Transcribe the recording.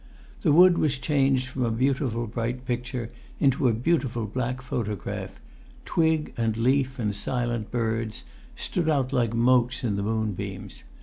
The wood was changed from a beautiful bright picture into a beautiful black photograph; twig and leaf, and silent birds, stood out like motes in the moonbeams.